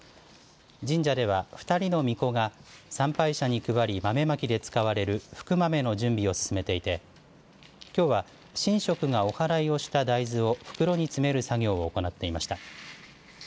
神社では、２人のみこが参拝者に配り、豆まきで使われる福豆の準備を進めていてきょうは神職がおはらいをした大豆を袋に詰める作業を行っていました。